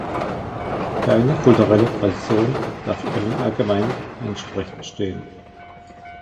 Keine kulturelle Tradition darf über den allgemeinen Menschenrechten stehen.